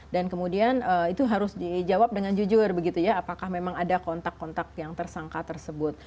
dan kemudian itu harus dijawab dengan jujur begitu ya apakah memang ada kontak kontak yang tersangka tersebut